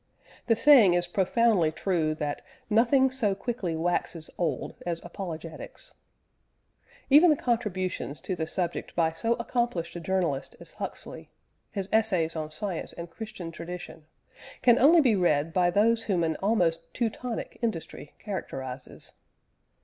The saying is profoundly true that "nothing so quickly waxes old as apologetics." Even the contributions to the subject by so accomplished a journalist as Huxley his Essays on Science and Christian Tradition can only be read by those whom an almost Teutonic industry characterises.